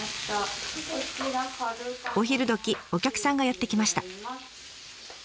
お昼どきお客さんがやって来ました。